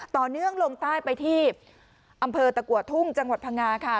ต่อเนื่องลงใต้ไปที่อำเภอตะกัวทุ่งจังหวัดพังงาค่ะ